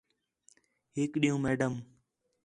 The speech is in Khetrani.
ہِک ݙِین٘ہوں میڈم